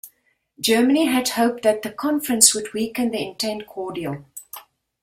Germany had hoped that the Conference would weaken the entente cordial.